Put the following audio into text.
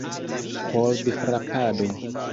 Pordfrapado